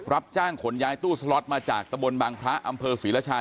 รับจ้างขนย้ายตู้สล็อตมาจากตะบนบางพระอำเภอศรีรชา